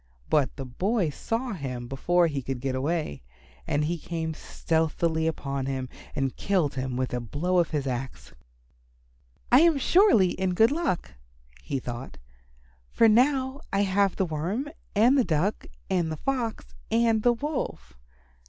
But the boy saw him before he could get away, and he came stealthily upon him and killed him with a blow of his axe. "I am surely in good luck," he thought, "for now I have the Worm and the Duck and the Fox and the Wolf."